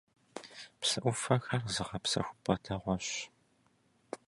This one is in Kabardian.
Псы Ӏуфэхэр зыгъэпсэхупӀэ дэгъуэщ.